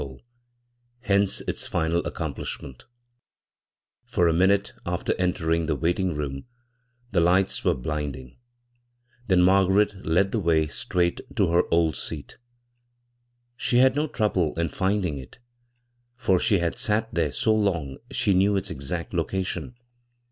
goal — hence its final ac complishment For a minute after entering the waiting room, the lights were blinding ; Aea Marga ret led the way straight to her c4d seat She bad no trouble in finding it, for she had sat there so long she knew its exact location.